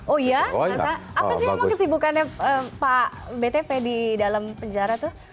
oh iya apa sih emang kesibukannya pak btp di dalam penjara tuh